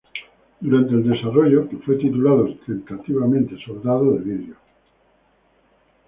Durante el desarrollo, que fue titulado tentativamente Soldado de vidrio.